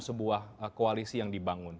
sebuah koalisi yang dibangun